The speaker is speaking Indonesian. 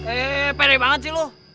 eh pede banget sih lo